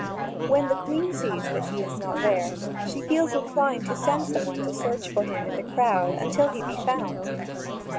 When the Queen sees that he is not there, she feels inclined to send some one to search for him in the crowd until he be found.